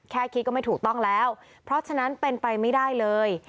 แค่คิดก็ไม่ถูกต้องแล้วเพราะฉะนั้นเป็นไปไม่ได้เลย